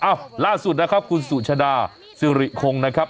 อ๊ะล่าสุดครับคุณสุชาเดาซูหรี่คงนะครับ